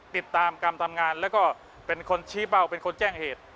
ติดตามการทำงานแล้วก็เป็นคนชี้เบาเป็นคนแจ้งเหตุ